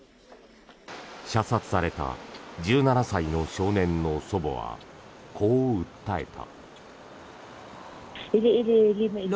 射殺された１７歳の少年の祖母はこう訴えた。